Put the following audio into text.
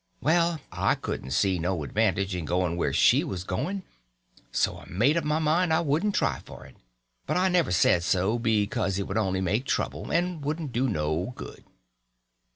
Well, I couldn't see no advantage in going where she was going, so I made up my mind I wouldn't try for it. But I never said so, because it would only make trouble, and wouldn't do no good.